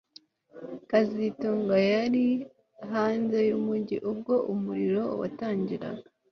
kazitunga yari hanze yumujyi ubwo umuriro watangiraga